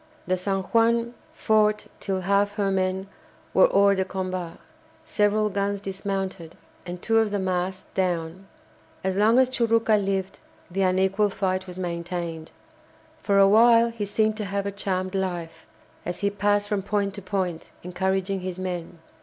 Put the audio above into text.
The "San Juan" fought till half her men were hors de combat, several guns dismounted, and two of the masts down. As long as Churucca lived the unequal fight was maintained. For a while he seemed to have a charmed life, as he passed from point to point, encouraging his men.